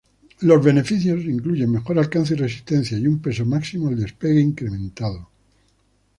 Los beneficios incluyen mejor alcance y resistencia y un peso máximo al despegue incrementado.